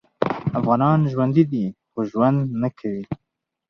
افغانان ژوندي دي خو ژوند نکوي